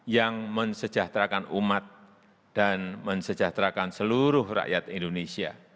yang mensejahterakan umat dan mensejahterakan seluruh rakyat indonesia